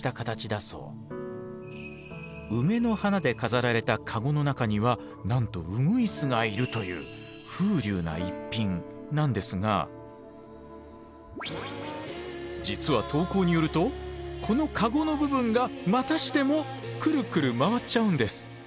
梅の花で飾られた籠の中にはなんとうぐいすがいるという風流な逸品なんですが実は投稿によるとこの籠の部分がまたしてもくるくる回っちゃうんです。